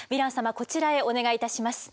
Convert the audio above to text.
こちらへお願いいたします。